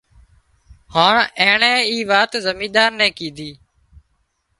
هانَ اينڻي اي وات زمينۮار نين ڪيڌي